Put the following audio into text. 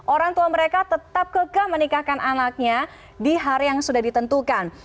orang tua mereka tetap keke menikahkan anaknya di hari yang sudah ditentukan